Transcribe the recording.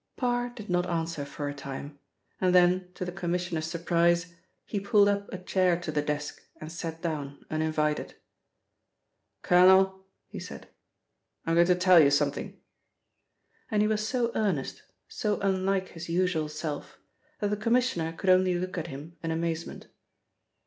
Parr did not answer for a time, and then to the Commissioner's surprise, he pulled up a chair to the desk and sat down uninvited. "Colonel," he said, "I'm going to tell you something," and he was so earnest, so unlike his usual self, that the Commissioner could only look at him in amazement.